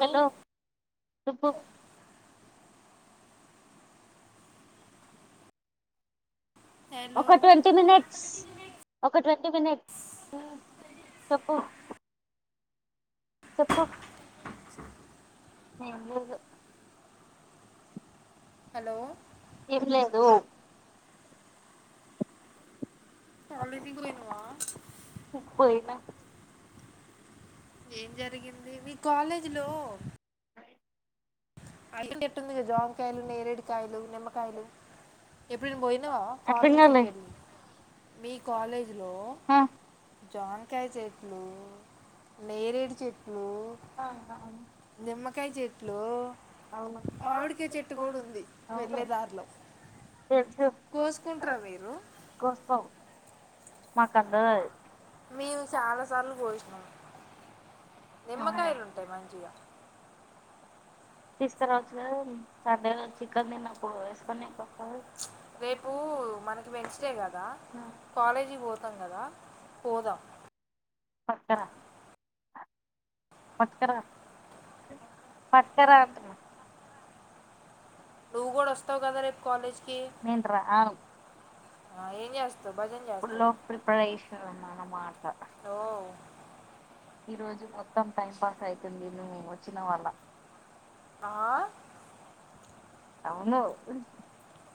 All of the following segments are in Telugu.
హలో చెప్పు హలో ఒక ట్వంటీ మినిట్స్ ఒక ట్వ [unintelligible] చెప్పు చెప్పు స న లేదు హలో ఏం లేదు చాలది కో నువా పోయినా ఏం జరిగింది మీ కాలేజీ లో అంటిటేట్టుంది కద జోమకాయలు నేరేడి కాయలు నిమ్మకాయలు ఎప్పుడయిన పోయినావా అర్థం కాలే ఫార్మసీకి వెళ్ళి మీ కాలేజీలో ఆ జాన్కాయ చెట్లు నేరేడు చెట్ అవునా కయి చెట్లు అవును మామిడికాయ చెట్టు కూడా ఉంది అవును వెళ్ళే దారిలో తె కోసుకో కోసుకుంటారా మీరు కోస్తాం మాకందది మేము చాలా సార్లు కోశ్నమ్ అవునా నిమ్మకాయలు ఉంటాయి మంచిగ తీసుకురావచ్చు కదా సండే చికెన్ తిన్నప్పుడు వేసుకని తింటాం రేపు మనకి వెన్స్డే కదా కాలేజీ పోతాం కదా పోదాం పట్కరా పట్కరా పట్కరాంటన్న నువ్వు కూడా వస్తావు కదా రేపు కాలేజ్ నేన్రాను ఆ ఏం చేస్త ఫుల్ ఆఫ్ ప్రిపరేషన్ అనమాట ఓ ఈ రోజు మొత్తం టైం పాస్ అయితుంది నువ్వు వచ్చిన వల్ల ఆ, అవును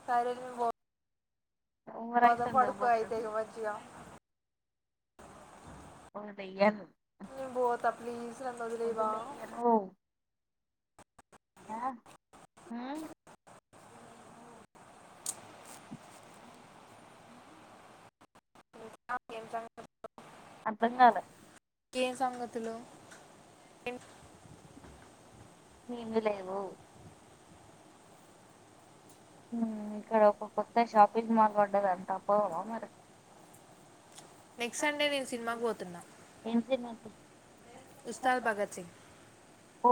పరుల్ ఒ ఓవర్ బాగ యాక్షన్ పడుకో చేయమాకు అయితే ఇగ మంచిగ పోదయ్యన్ నేన్ పోతా ప్లీస్ ఓహ ఆ హ ఏ అప్పుడేల్ ఏ సంగతులు ఏమి లేవు మ్మ్ ఇక్కడ ఒక కొత్త షాపింగ్ మాల్ పడ్డదంట పోదామా మరి నెక్సండె నేను సినిమాగ్ పోత్ తున్న ఏం తిన్నావ్ చెప్పు ఉస్తాద్ భగత్ సింగ్ పో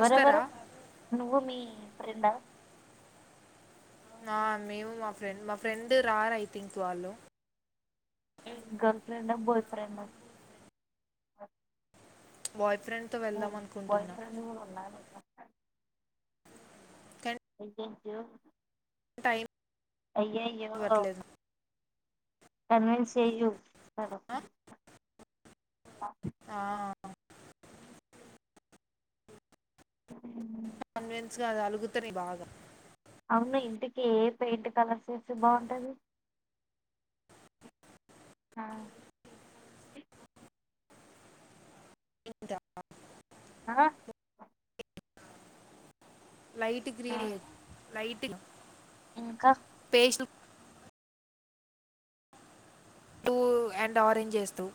వస్తారా నువ్వు మీ ట ఆ మేము మా ఫ్రెండ్ మా ఫ్రెండ్ రారు ఐ థింక్ వాళ్ళు girlfriend boyfriend boy oh boyfriend కూడా ఉన్నా కానీ యూ టైం అయ్యాయో ఇవ్వట్లేదు కన్వీన్ చెయ్యూ ఆ ఆ ఆ కన్విన్స్ గా అది అలుగుతుంది బాగా అవునా ఇంటికి ఏ పెయింట్ కలర్స్సి బాగుంటంది ఆ ఇంద ఆ లైట్ గ్రీన్ లైట్ ఇంకా పేష పూ అండ్ ఆరెంజ్ చేస్తూ